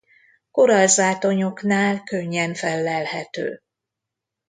Korallzátonyoknál könnyen fellelhető.